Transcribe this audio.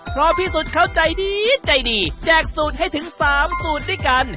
เพราะพี่สุดเข้าใจดีใจดีแจกสูตรให้ถึง๓สูตรด้วยกัน